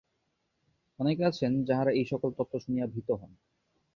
অনেকে আছেন, যাঁহারা এই-সকল তত্ত্ব শুনিয়া ভীত হন।